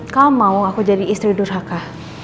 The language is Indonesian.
kamu mau aku jadi istri durhaka